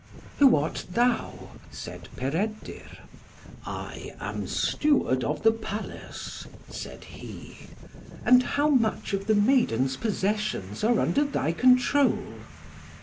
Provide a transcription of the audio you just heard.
"Who art thou?" said Peredur. "I am Steward of the Palace," said he. "And how much of the maiden's possessions are under thy control?"